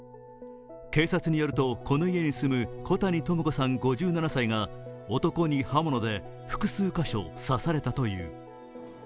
警察によると、この家に住む小谷朋子さんが男に刃物で複数箇所刺されたという。